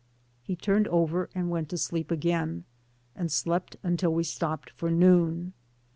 He turned over and went to sleep again, and slept until we stopped for noon.